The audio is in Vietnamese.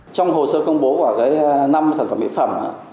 trong hồ sơ công bố của năm sản phẩm mỹ phẩm